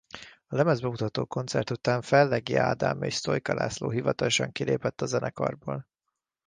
A lemezbemutató koncert után Fellegi Ádám és Sztojka László hivatalosan kilépett a zenekarból.